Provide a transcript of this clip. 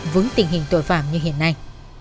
với tình hình tội phạm như hiện nay